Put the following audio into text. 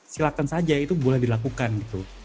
silakan saja itu boleh dilakukan gitu